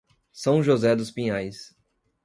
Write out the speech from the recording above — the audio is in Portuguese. São José dos Pinhais